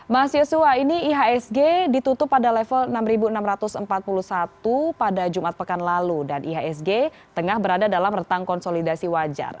mas yosua ini ihsg ditutup pada level enam enam ratus empat puluh satu pada jumat pekan lalu dan ihsg tengah berada dalam rentang konsolidasi wajar